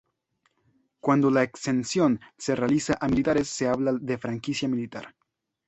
Cuando la exención se realiza a militares se habla de franquicia militar.